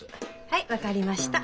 はい分かりました。